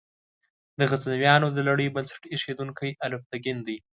د غزنویانو د لړۍ بنسټ ایښودونکی الپتکین دی.